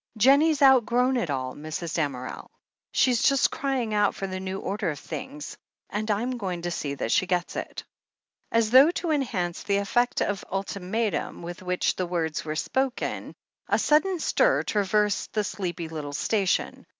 Jennie's outgrown it all, Mrs. Damerel. She's just crying out for the new order of things — and I'm going to see that she gets it." As though to enhance the effect of ultimatum with which the words were spoken, a sudden stir traversed the sleepy little station.